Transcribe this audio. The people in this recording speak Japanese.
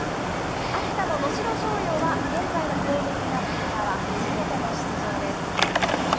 秋田の能代松陽は、現在の校名になってからは初めての出場です。